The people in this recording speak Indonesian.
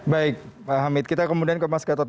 baik pak hamid kita kemudian ke mas gatot